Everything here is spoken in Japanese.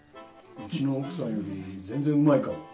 うちの奥さんより全然うまいかもね。